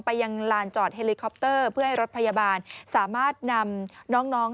ยังลานจอดเฮลิคอปเตอร์เพื่อให้รถพยาบาลสามารถนำน้อง